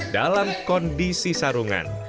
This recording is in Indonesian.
dalam kondisi sarungan